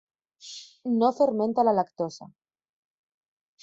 No fermenta la lactosa.